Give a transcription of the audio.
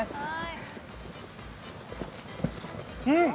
うん！